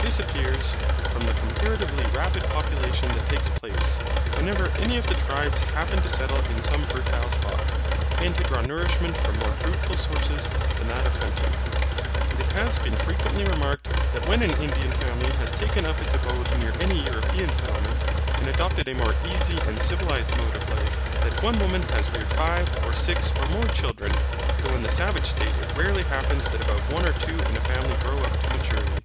This appears, from the comparatively rapid population that takes place, whenever any of the tribes happen to settle in some fertile spot, and to draw nourishment from more fruitful sources than that of hunting; and it has been frequently remarked that when an Indian family has taken up its abode near any European settlement, and adopted a more easy and civilized mode of life, that one woman has reared five, or six, or more children; though in the savage state it rarely happens that above one or two in a family grow up to maturity.